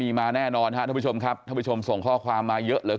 มีมาแน่นอนครับท่านผู้ชมครับท่านผู้ชมส่งข้อความมาเยอะเหลือเกิน